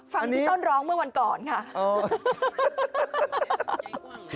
ฟังที่ต้นร้องเมื่อวันก่อนค่ะ